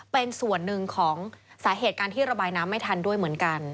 เป็นส่วนหนึ่งของสาเหตุการที่ระบายน้ำไม่ทันด้วยเหมือนกัน